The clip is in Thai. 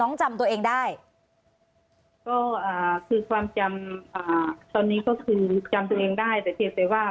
อันดับที่สุดท้าย